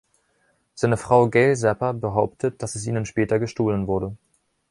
Seine Frau Gail Zappa behauptet, dass es ihnen später gestohlen wurde.